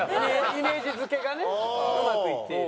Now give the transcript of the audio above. イメージ付けがねうまくいっている。